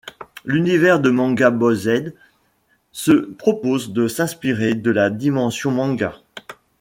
L’univers de Manga BoyZ se propose de s'inspirer de la dimension manga.